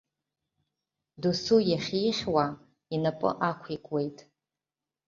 Дасу иахьихьуа инапы ақәикуеит.